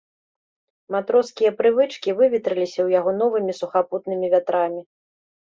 Матроскія прывычкі выветрыліся ў яго новымі сухапутнымі вятрамі.